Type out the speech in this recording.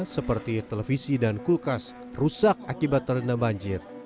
seperti televisi dan kulkas rusak akibat terendam banjir